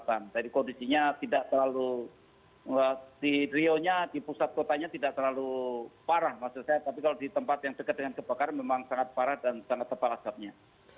tapi kalau di tempat yang dekat dengan kebakaran memang sangat parah dan sangat tebal asapnya